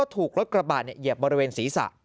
ถูกรถกระบาดเหยียบบริเวณศีรษะ